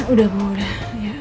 udah bu udah